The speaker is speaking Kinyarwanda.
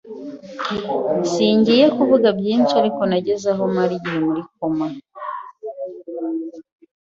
Singiye kuvuga byinshi ariko nageze ahom ara igihe muri koma